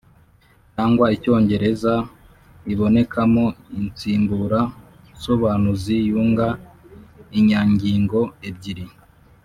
cyangwa icyongereza ibonekamo insimbura nsobanuzi yunga inyangingo ebyiri,